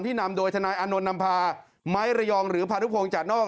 ที่นำโดยธนายอานนลมพาไม้ระยองหรือภารุพงษ์จากนอก